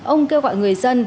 ông kêu gọi người dân